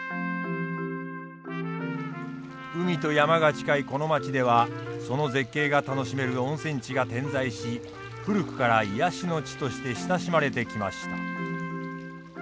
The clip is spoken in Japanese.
海と山が近いこの町ではその絶景が楽しめる温泉地が点在し古くから癒やしの地として親しまれてきました。